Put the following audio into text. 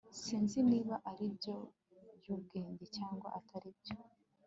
sinzi niba aribyo byubwenge cyangwa atari byo